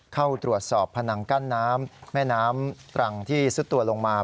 เข้าตรวจสอบพนังกั้นน้ำแม่น้ำตรังที่สุดตัวลงมา